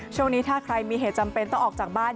ช่วงนี้ถ้าใครมีเหตุจำเป็นต้องออกจากบ้าน